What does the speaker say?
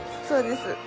そうです。